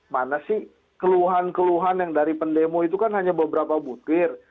mana sih keluhan keluhan yang dari pendemo itu kan hanya beberapa butir